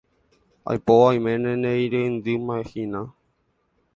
Aipóva oiméne ne reindymahína.